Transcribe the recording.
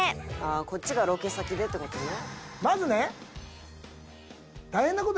「こっちがロケ先でって事ね」